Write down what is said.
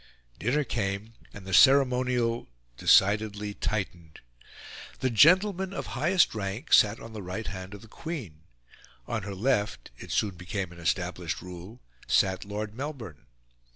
Dinner came, and the ceremonial decidedly tightened. The gentleman of highest rank sat on the right hand of the Queen; on her left it soon became an established rule sat Lord Melbourne.